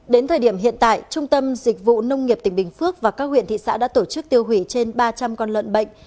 đến thời điểm hiện tại trung tâm dịch vụ nông nghiệp tỉnh bình phước và các huyện thị xã đã tổ chức tiêu hủy trên ba trăm linh con lợn bệnh